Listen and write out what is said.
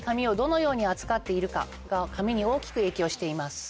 髪に大きく影響しています。